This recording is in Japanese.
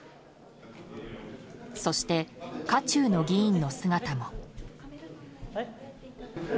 そして、渦中の議員の姿も。